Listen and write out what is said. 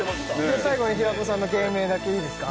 最後に平子さんの芸名だけいいですか？